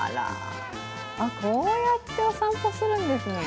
こうやってお散歩するんですね。